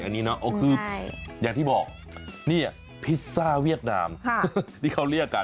อันนี้เนาะคืออย่างที่บอกนี่พิซซ่าเวียดนามที่เขาเรียกกัน